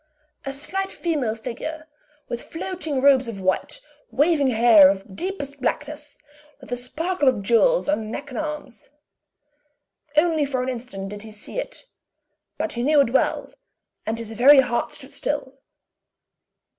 A slight female figure, with floating robes of white, waving hair of deepest, blackness, with a sparkle of jewels on neck and arms. Only for an instant did he see it; but he knew it well, and his very heart stood still.